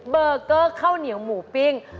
เบอร์เกอร์ข้าวเหนียวหมูปิ้ง